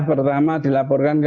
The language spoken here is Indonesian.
pertama dilaporkan ke